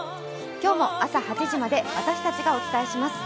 今日も朝８時まで私たちがお伝えしていきます。